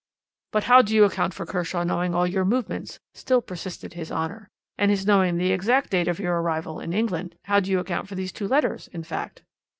"'But how do you account for Kershaw knowing all your movements?' still persisted his Honour, 'and his knowing the exact date of your arrival in England? How do you account for these two letters, in fact?'